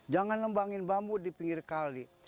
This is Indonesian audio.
jangan nembangin bambu di pinggir kali